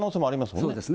そうですね。